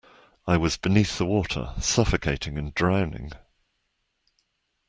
I was beneath the water, suffocating and drowning.